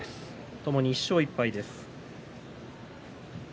ともに１勝１敗です。